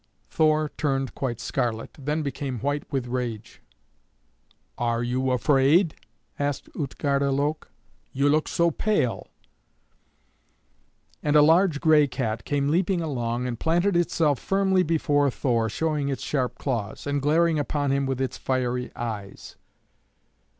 Thor turned quite scarlet, and then became white with rage. "Are you afraid?" asked Utgarde Loke; "you look so pale." And a large gray cat came leaping along, and planted itself firmly before Thor, showing its sharp claws, and glaring upon him with its fiery eyes.